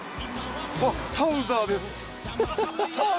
サウザーです！